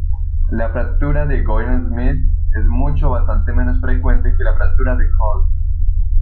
La fractura de Goyrand-Smith es mucho bastante menos frecuente que la fractura de Colles.